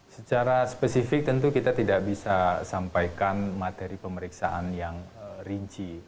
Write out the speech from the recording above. secara spesifik tentu kita tidak bisa sampaikan materi pemeriksaan yang rinci